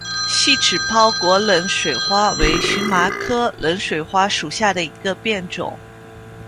细齿泡果冷水花为荨麻科冷水花属下的一个变种。